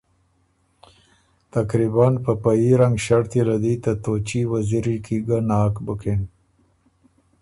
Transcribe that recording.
تقریباً په په يي رنګ ݭړطی له دی ته توچي وزیری کی ګه ناک بُکِن